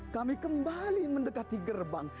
kami kembali mendekati gerbang